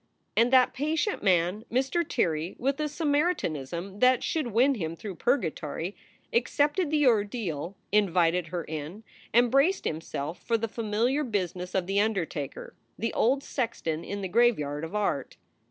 And that patient man, Mr. Tirrey, with a Samaritanism that should win him through Purgatory, accepted the ordeal, invited her in, and braced himself for the familiar business of the undertaker, the old sexton in the graveyard of art.